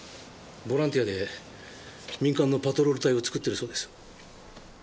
ボランティアで民間のパトロール隊を作ってるそうです。